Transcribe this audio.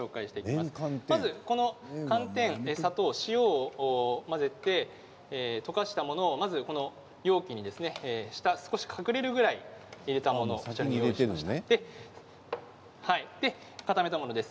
まず寒天、砂糖、塩を混ぜて溶かしたものを容器に下、少し隠れるぐらい入れたものです。